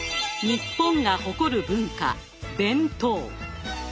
日本が誇る文化弁当。